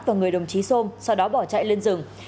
vào người đồng chí sôm sau đó bỏ chạy lên rừng